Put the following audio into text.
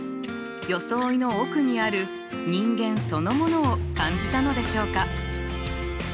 装いの奥にある人間そのものを感じたのでしょうか？